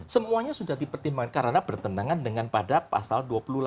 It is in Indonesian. semuanya sudah dipertimbangkan karena bertentangan dengan pada pasal dua puluh delapan